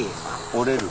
折れる。